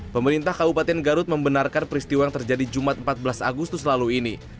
pemerintah kabupaten garut membenarkan peristiwa yang terjadi jumat empat belas agustus lalu ini